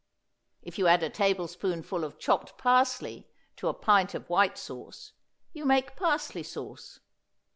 If you add a tablespoonful of chopped parsley to a pint of white sauce, you make parsley sauce.